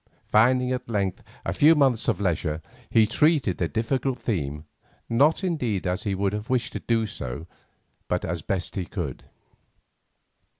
Finding at length a few months of leisure, he treated the difficult theme, not indeed as he would have wished to do, but as best he could.